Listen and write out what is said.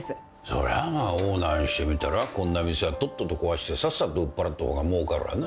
そりゃあオーナーにしてみたらこんな店はとっとと壊してさっさと売っ払った方がもうかるわな。